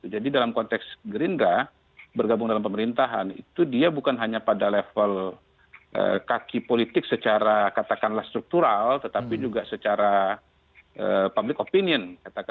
jadi dalam konteks gerindra bergabung dalam pemerintahan itu dia bukan hanya pada level kaki politik secara katakanlah struktural tetapi juga secara public opinion